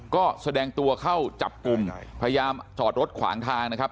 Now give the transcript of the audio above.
ก็แสดงตัวเข้าจับกลุ่มพยายามจอดรถขวางทางนะครับ